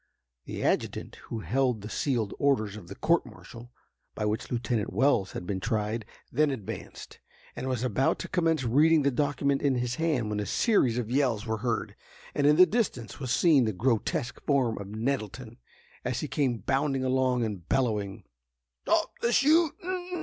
The adjutant who held the sealed orders of the court martial by which Lieutenant Wells had been tried, then advanced, and was about to commence reading the document in his hand, when a series of yells were heard, and in the distance was seen the grotesque form of Nettleton, as he came bounding along and bellowing: "Stop the shootin'!